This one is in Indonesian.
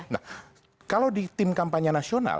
nah kalau di tim kampanye nasional